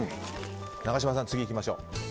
永島さん、次いきましょう。